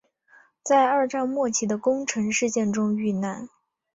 在二战末期的宫城事件中遇难。